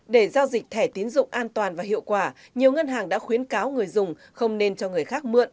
để giao dịch thẻ tiến dụng an toàn và hiệu quả nhiều ngân hàng đã khuyến cáo người dùng không nên cho người khác mượn